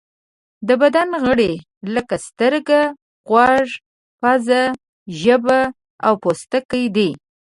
د بدن غړي لکه سترګه، غوږ، پزه، ژبه او پوستکی دي.